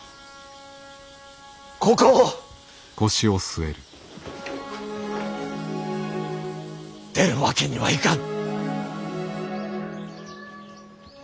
ここを出るわけにはいかぬ。